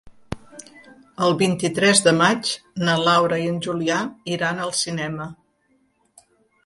El vint-i-tres de maig na Laura i en Julià iran al cinema.